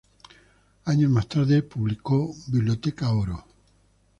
Años más tarde se publicó "Biblioteca Oro.